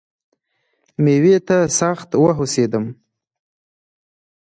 مېوې ته سخت وهوسېدم .